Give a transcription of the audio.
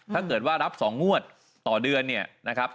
ถ้าเกิดว่ารับ๒งวดต่อเดือนเนี่ยนะครับ